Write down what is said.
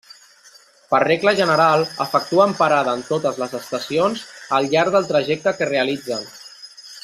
Per regla general efectuen parada en totes les estacions al llarg del trajecte que realitzen.